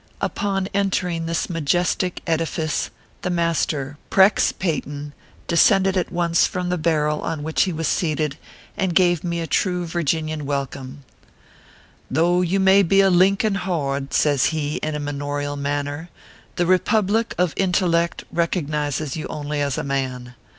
Upon entering this majestic edifice, the master, Prex Peyton, descended at once from the barrel on which he was seated, and gave me a true Virginian welcome :" Though you may be a Lincoln horde," says he, in a manorial manner, " the republic of intellect recog nizes you only as a man.